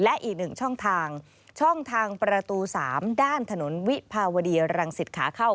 และอีกหนึ่งช่องทางช่องทางประตู๓ด้านถนนวิภาวดีรังสิตขาเข้า